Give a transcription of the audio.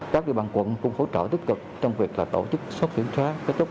các địa bàn quận cũng hỗ trợ tích cực trong việc tổ chức sốt kiểm tra